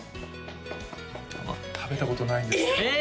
食べたことないんですえっ